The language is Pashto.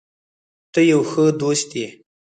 ته یو ښه دوست یې.